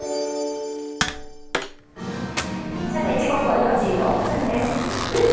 時刻は４時６分です。